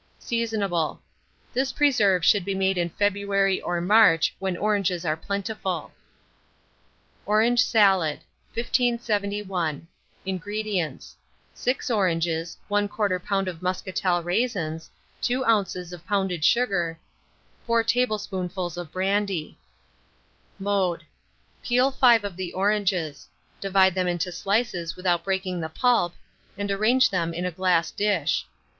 Seasonable. This preserve should be made in February or March, when oranges are plentiful. ORANGE SALAD. 1571. INGREDIENTS. 6 oranges, 1/4 lb. of muscatel raisins, 2 oz. of pounded sugar, 4 tablespoonfuls of brandy. Mode. Peel 5 of the oranges; divide them into slices without breaking the pulp, and arrange them on a glass dish.